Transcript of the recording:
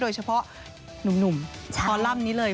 โดยเฉพาะหนุ่มคอลัมป์นี้เลย